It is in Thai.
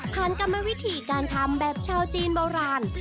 ผ่านกรรมวิธีการทำแบบชาวจีนเบาหลาน